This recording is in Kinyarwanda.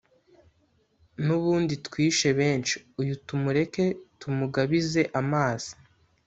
nubundi twishe benshi uyu tumureke tumugabize amazi